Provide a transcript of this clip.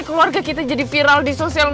kalau begitu kami permisi dulu